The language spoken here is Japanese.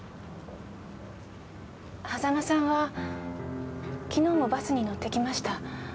狭間さんは昨日もバスに乗ってきました。